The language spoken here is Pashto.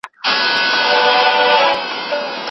تاسو باید خپل مهارتونه نورو ته وښایئ.